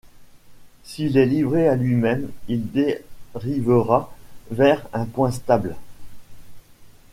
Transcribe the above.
S'il est livré à lui-même, il dérivera vers un point stable.